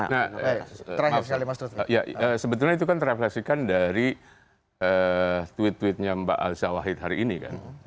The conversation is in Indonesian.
karena itu kan tereflesikan dari tweet tweetnya mbak alsa wahid hari ini kan